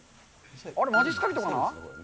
あれ、まじっすか人かな？